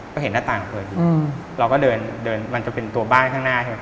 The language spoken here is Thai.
ก็เห็นหน้าต่างเปิดอยู่เราก็เดินเดินมันจะเป็นตัวบ้านข้างหน้าใช่ไหม